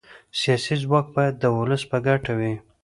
سیاسي ځواک باید د ولس په ګټه وي